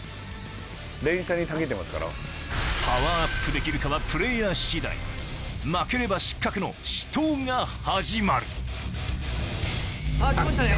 パワーアップできるかはプレイヤー次第負ければ失格の死闘が始まるあ来ましたね！